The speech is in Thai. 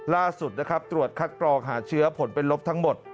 ล่าสุดนะครับตรวจคัดกรองหาเชื้อผลเป็นลบทั้งหมด